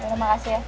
terima kasih ya